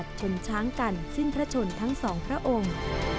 ชนช้างกันสิ้นพระชนทั้งสองพระองค์